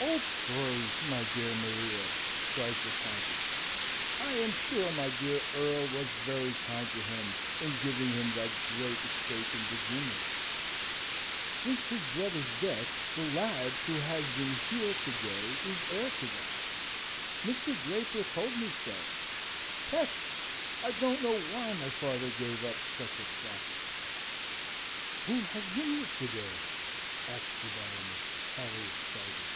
"Old stories, my dear Maria!" cries the Countess. "I am sure my dear Earl was very kind to him in giving him that great estate in Virginia." "Since his brother's death, the lad who has been here to day is heir to that. Mr. Draper told me so! Peste! I don't know why my father gave up such a property." "Who has been here to day?" asked the Baroness, highly excited.